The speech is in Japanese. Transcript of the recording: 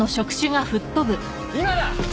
今だ！